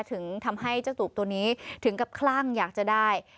ถึงทำให้เจ้าตูบตัวนี้ถึงกับคลั่งอยากจะได้